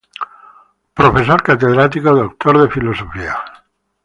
Profesor catedrático, doctor de filosofía.